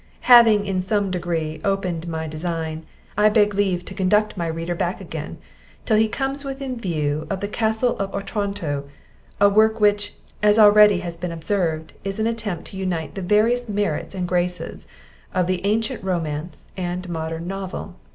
Having, in some degree, opened my design, I beg leave to conduct my reader back again, till he comes within view of The Castle of Otranto; a work which, as already has been observed, is an attempt to unite the various merits and graces of the ancient Romance and modern Novel.